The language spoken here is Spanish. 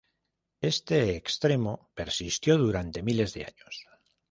Este extremo persistió durante miles de años.